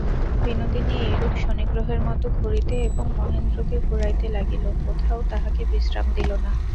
বিনোদিনী এইরূপ শনিগ্রহের মতো ঘুরিতে এবং মহেন্দ্রকে ঘুরাইতে লাগিল–কোথাও তাহাকে বিশ্রাম দিল না।